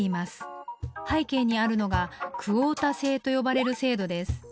背景にあるのがクオータ制と呼ばれる制度です。